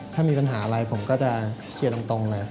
ถ้ามีปัญหาอะไรผมก็จะเคลียร์ตรงเลย